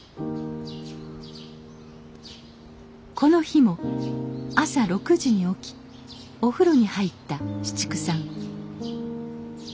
この日も朝６時に起きお風呂に入った紫竹さん。